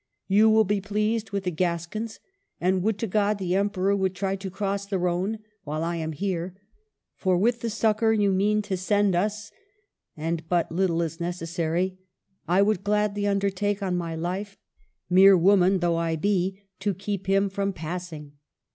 You will be pleased with the Gascons ; and would to God the Emperor would try to cross the Rhone while I am here ! for, with the succor you mean to send us (and but httle is necessary !) I would gladly undertake, on my life, — mere woman though I be, — to keep him from passing."